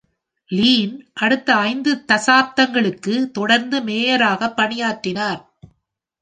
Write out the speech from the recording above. Linn அடுத்த ஐந்து தசாப்தங்களுக்கு தொடர்ந்து மேயராக பணியாற்றினார்.